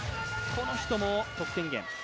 この人も得点源。